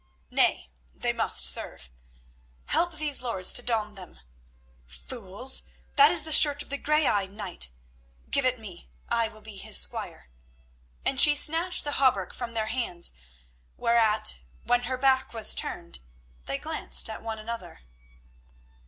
Nay, they must serve. Help these lords to don them. Fools, that is the shirt of the grey eyed knight. Give it me; I will be his squire," and she snatched the hauberk from their hands, whereat, when her back was turned, they glanced at one another.